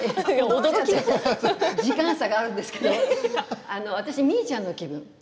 驚きに時間差があるんだけど私は、みーちゃんの気分。